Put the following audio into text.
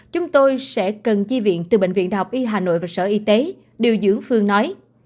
chúng tôi sẽ cần chi viện từ bệnh viện đại học y hà nội và sở y tế điều dưỡng phương nói